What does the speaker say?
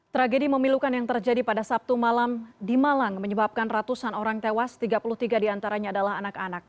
tragedi memilukan yang terjadi pada sabtu malam di malang menyebabkan ratusan orang tewas tiga puluh tiga diantaranya adalah anak anak